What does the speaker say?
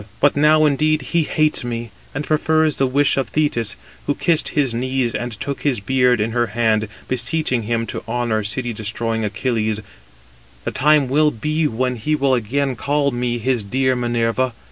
But now, indeed, he hates me, and prefers the wish of Thetis, who kissed his knees, and took his beard in her hand, beseeching him to honour city destroying Achilles, The time will be when he will again call me his dear Minerva.